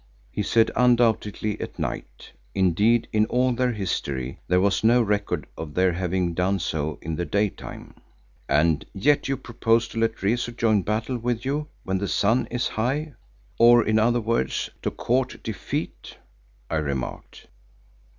He said undoubtedly at night, indeed in all their history there was no record of their having done so in the daytime. "And yet you propose to let Rezu join battle with you when the sun is high, or in other words to court defeat," I remarked.